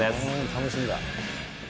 楽しみだ。